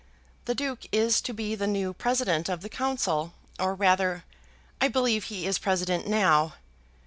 The Duke is to be the new President of the Council, or rather, I believe he is President now.